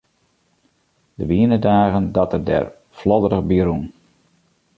Der wiene dagen dat er der flodderich by rûn.